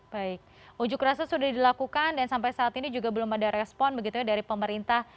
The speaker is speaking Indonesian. baik ujuk rasa sudah dilakukan dan sampai saat ini juga belum ada respon begitu ya dari pemerintah